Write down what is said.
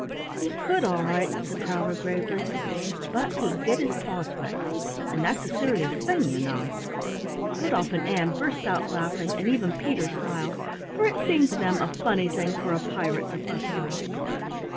"He could, all right," said Prowler gravely, "but he'd get his paws wet, and that's a serious thing, you know." Rudolf and Ann burst out laughing, and even Peter smiled, for it seemed to them a funny thing for a pirate to fuss about.